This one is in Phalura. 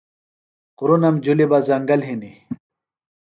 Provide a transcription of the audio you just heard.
غُرنم جُھلیۡ بہ زنگل ہِنیۡ۔